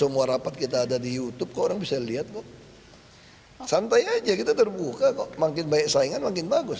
masih saja kita terbuka kok makin banyak saingan makin bagus